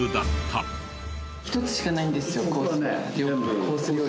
１つしかないんですよコースが。